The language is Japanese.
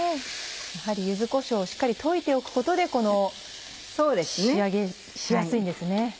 やはり柚子こしょうをしっかり溶いておくことでこの仕上げしやすいんですね。